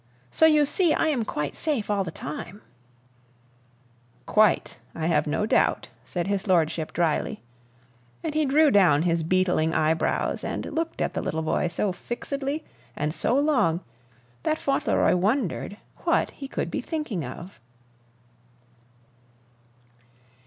So you see I am quite safe all the time " "Quite, I have no doubt," said his lordship dryly. And he drew down his beetling eyebrows and looked at the little boy so fixedly and so long that Fauntleroy wondered what he could be thinking of.